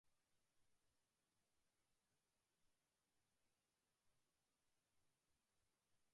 Limited operate manufacturing plants in Vapi.